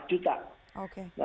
atau sekitar empat juta